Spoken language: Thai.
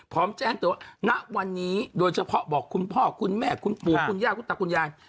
พร้อมแจ้งตัวณวันนี้โดยเฉพาะบอกคุณพ่อคุณแม่คุณปู่คุณย่าคุณตาคุณยาย